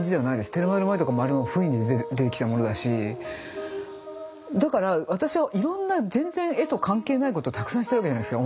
「テルマエ・ロマエ」とかもあれも不意に出てきたものだしだから私はいろんな全然絵と関係ないことたくさんしてるわけじゃないですか。